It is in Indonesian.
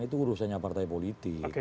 itu urusannya partai politik